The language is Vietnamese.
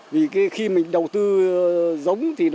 vì khi mình đầu tư giống thì nó